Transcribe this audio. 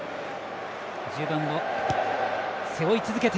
１０番を背負い続けて。